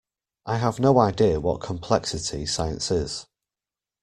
I have no idea what complexity science is.